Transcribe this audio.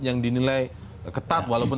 yang dinilai ketat walaupun